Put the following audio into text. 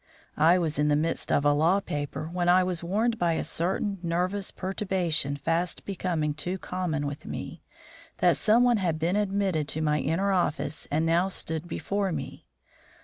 I was in the midst of a law paper, when I was warned by a certain nervous perturbation fast becoming too common with me, that someone had been admitted to my inner office and now stood before me.